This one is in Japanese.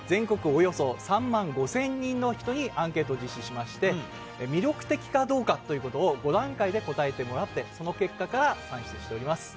およそ３万５０００人の人にアンケートを実施しまして、魅力的かどうかということを５段階で答えてもらって、その結果から算出しております。